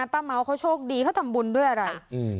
ป้าเม้าเขาโชคดีเขาทำบุญด้วยอะไรอืม